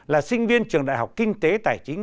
là sinh viên trường đại học kinh tế tài chính